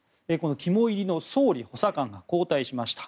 肝煎りの総理補佐官が交代しました。